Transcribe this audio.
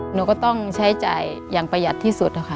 หนูก็ต้องใช้จ่ายอย่างประหยัดที่สุดนะคะ